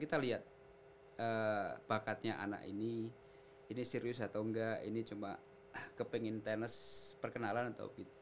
kita lihat bakatnya anak ini ini serius atau enggak ini cuma kepengen tenis perkenalan atau